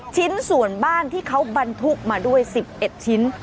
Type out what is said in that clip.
ชิ้นส่วนบ้านที่เขาบรรทุกมาด้วย๑๑ชิ้น